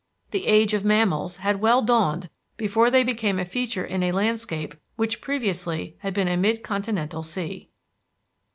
The Age of Mammals had well dawned before they became a feature in a landscape which previously had been a mid continental sea.